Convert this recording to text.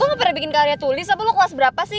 lo gak pernah bikin karya tulis apa lo kelas berapa sih